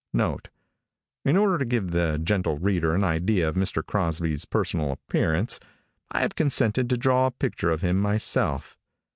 [Note. In order to give the gentle reader an idea of Mr. Crosby's personal appearance, I have consented to draw a picture of him myself.